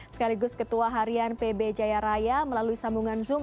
sekaligus ketua harian pb jaya raya melalui sambungan zoom